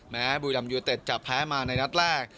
แม้บุยรำยูนเต็ดจะแพ้มาในรัฐแรก